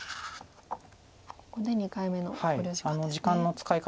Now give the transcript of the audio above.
ここで２回目の考慮時間ですね。